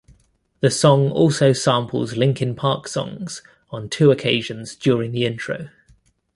The song also samples Linkin Park songs on two occasions during the intro.